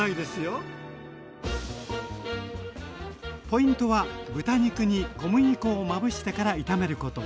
ポイントは豚肉に小麦粉をまぶしてから炒めること。